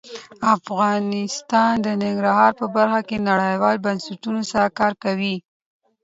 افغانستان د ننګرهار په برخه کې نړیوالو بنسټونو سره کار کوي.